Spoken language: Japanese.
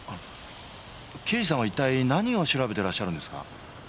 刑事さんは一体何を調べてらっしゃるんですか？